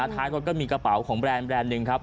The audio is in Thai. ท้ายรถก็มีกระเป๋าของแบรนด์หนึ่งครับ